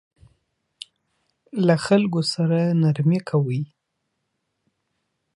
له خلکو سره نرمي کوئ